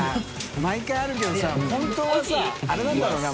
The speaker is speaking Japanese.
毎回あるけどさ本当はさあれなんだろうな。